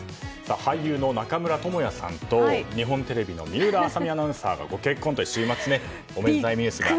俳優の中村倫也さんと日本テレビの水卜麻美アナウンサーがご結婚と週末おめでたいニュースが。